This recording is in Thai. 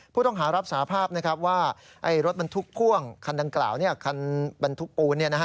ผู้ต้องหารับสาภาพว่ารถบรรทุกพ่วงคันดังกล่าวคันบรรทุกปูน